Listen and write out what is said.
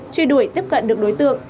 truy đuổi tiếp cận được đối tượng